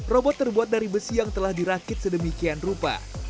robot terbuat dari besi yang telah dirakit sedemikian rupa